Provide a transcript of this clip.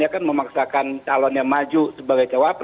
dia kan memaksakan calon yang maju sebagai jawab